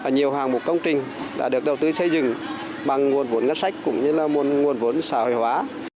nhiều hàng mục công trình đã được đầu tư xây dựng bằng nguồn vốn ngân sách cũng như là nguồn vốn xã hội hóa